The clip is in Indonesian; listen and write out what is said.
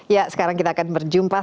ya sekarang kita akan berjumpa